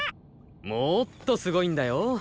もっとすごいんだよ。